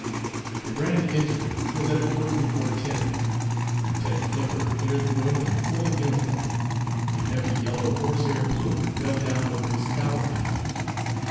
"The grand entree was at a quarter before ten. Lieutenant Flipper entered the room in full uniform. A heavy yellow horse hair plume fell down over his cavalry helmet.